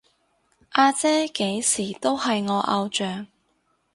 阿姐幾時都係我偶像